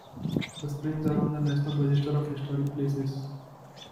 The Springs are on the National Register of Historic Places.